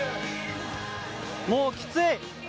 もうきつい。